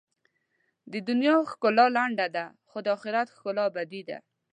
د دنیا ښکلا لنډه ده، خو د آخرت ښکلا ابدي ده.